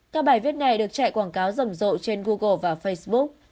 các bài viết này được chạy quảng cáo rầm rộ trên google và facebook